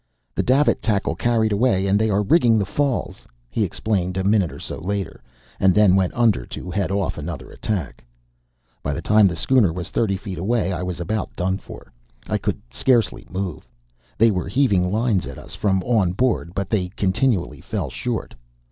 "The davit tackle carried away, and they are rigging the falls," he explained, a minute or so later, and then went under to head off another attack. By the time the schooner was thirty feet away I was about done for. I could scarcely move. They were heaving lines at us from on board, but they continually fell short.